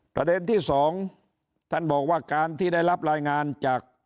ประเด็นที่สองท่านบอกว่าการที่ได้รับรายงานจาก